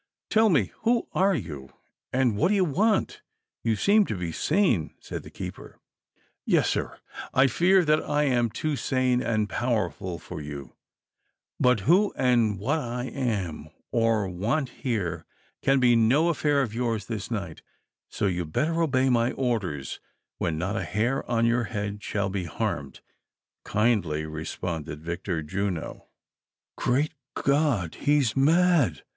"Tell me, who are you, and what do you want^? You seem to be sane," said the keeper. "Yes, sir, I fear that I am too sane and powerful for you ; but, who and what I am, or want here, can be no af fair of yours this night, so you better obey my orders, when not a hair on your head shall be harmed," kindly re sponded Victor Juno, THE CONSPIRATOES AND LOVERS. 99 " Great God, he is mad